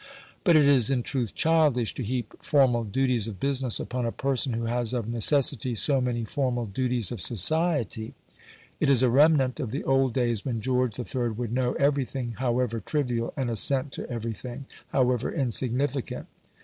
But it is in truth childish to heap formal duties of business upon a person who has of necessity so many formal duties of society. It is a remnant of the old days when George III. would know everything, however trivial, and assent to everything, however insignificant.